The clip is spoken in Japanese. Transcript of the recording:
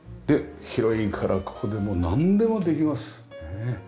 で広いからここでもうなんでもできます。